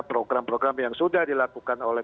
program program yang sudah dilakukan oleh